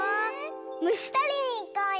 むしとりにいこうよ！